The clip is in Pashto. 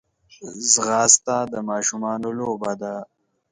ځغاسته د ماشومانو لوبه ده